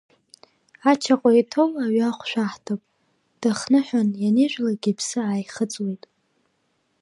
Ачаҟәа иҭоу аҩы ахәшә аҳҭап, дахныҳәан ианижәлак, иԥсы ааихыҵуеит.